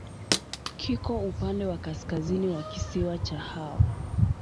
Kiko upande wa kaskazini wa kisiwa cha Hao.